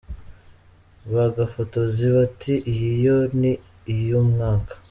Ba gafotozi bati "Iyi yo ni iy'umwaka".